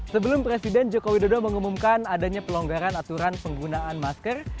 sebelum presiden joko widodo mengumumkan adanya pelonggaran aturan penggunaan masker